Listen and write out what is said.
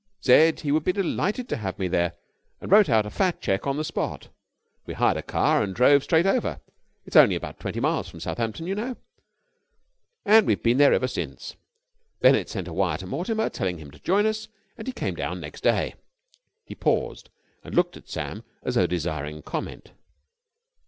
Said he would be delighted to have me there, and wrote out a fat check on the spot. We hired a car and drove straight over it's only about twenty miles from Southampton, you know, and we've been there ever since. Bennett sent a wire to Mortimer, telling him to join us, and he came down next day." He paused, and looked at Sam as though desiring comment.